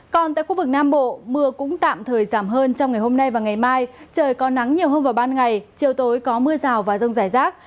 còn tại khu vực nam bộ mưa cũng tạm thời giảm hơn trong ngày hôm nay và ngày mai trời có nắng nhiều hơn vào ban ngày chiều tối có mưa rào và rông rải rác